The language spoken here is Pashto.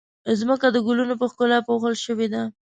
ځمکه د ګلونو په ښکلا پوښل شوې ده.